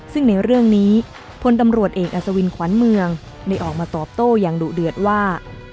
ซึ่งในเรื่องนี้พลตำรวจเอกอัศวินขวัญเมืองได้ออกมาตอบโต้อย่างดุเดือดว่า